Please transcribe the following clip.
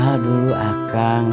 kamu duduk duduk sebelah akang